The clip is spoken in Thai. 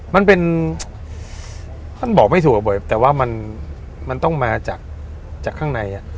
ถ้าผมมองพี่เอกวันนี้ทั้งวัน